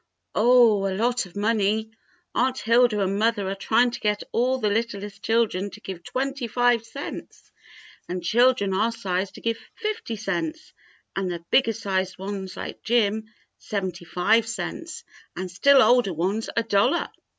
"Oh, a lot of money. Aunt Hilda and mother are trying to get all the littlest children to give twenty five cents, and children our size to give fifty cents, and the bigger sized ones like Jim, seventy five cents, and still older ones a dollar."